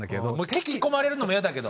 聴き込まれるのもやだけど。